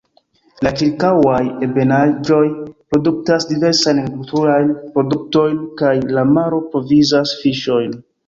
La ĉirkaŭaj ebenaĵoj produktas diversajn agrikulturajn produktojn, kaj la maro provizas fiŝojn.